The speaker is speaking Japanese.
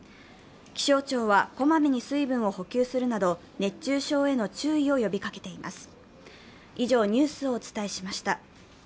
気象庁はこまめに水分を補給するなど熱中症への注意を呼びかけています。